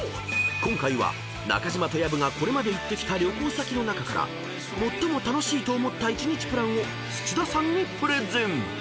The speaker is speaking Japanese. ［今回は中島と薮がこれまで行ってきた旅行先の中から最も楽しいと思った１日プランを土田さんにプレゼン］